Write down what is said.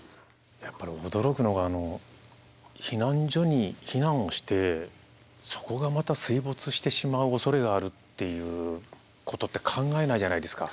やっぱり驚くのがあの避難所に避難をしてそこがまた水没してしまうおそれがあるっていうことって考えないじゃないですか。